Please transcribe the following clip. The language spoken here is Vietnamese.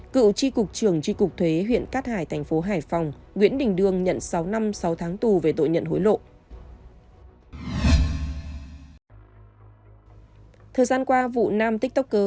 cựu tri cục trưởng tri cục thuế huyện cát hải thành phố hải phòng nguyễn đình đương nhận sáu năm sáu tháng tù về tội nhận hối lộ